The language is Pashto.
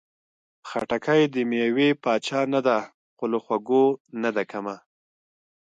خټکی د مېوې پاچا نه ده، خو له خوږو نه ده کمه.